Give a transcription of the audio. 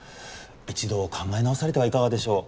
一度考え直されてはいかがでしょう？